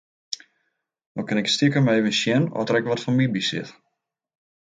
No kin ik stikem efkes sjen oft der ek wat foar my by stiet.